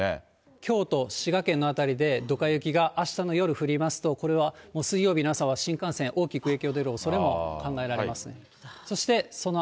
京都、滋賀県の辺りでどか雪があしたの夜降りますと、これはもう水曜日の朝は新幹線、大きく影響出るおそれも考えられますね。